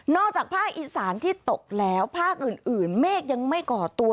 จากภาคอีสานที่ตกแล้วภาคอื่นเมฆยังไม่ก่อตัว